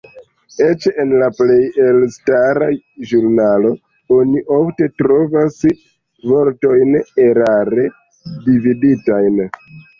Eĉ en la plej elstara ĵurnalo oni ofte trovas vortojn erare dividitajn.